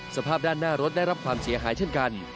สภาพด้านหน้ารถได้รับความเสียหายเช่นกัน